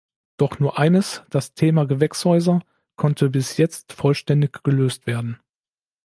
Doch nur eines – das Thema Gewächshäuser – konnte bis jetzt vollständig gelöst werden.